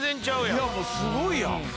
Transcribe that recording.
「いやもうすごいやん！」